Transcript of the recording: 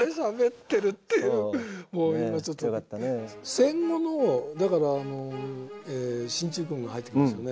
戦後のだから進駐軍が入ってきますよね。